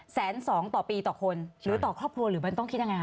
แสนสองต่อปีต่อคนหรือต่อครอบครัวหรือมันต้องคิดยังไงค